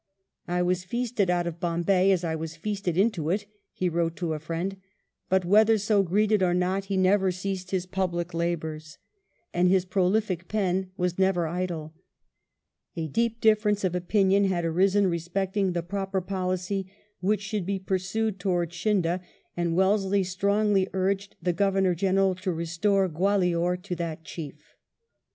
" I was feasted out of Bombay as I was feasted • into it," he wrote to a friend ; but whether so greeted or not he never ceased his public labours, and his prolific pen was never idla A deep difference of opinion had arisen respecting the proper policy which should be pursued towards Scindia, and Wellesley strongly urged the Governor General to restore Gwalior to that chief.